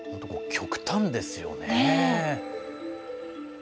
極端ですよね。